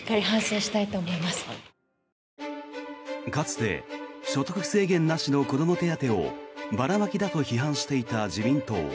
かつて所得制限なしの子ども手当をばらまきだと批判していた自民党。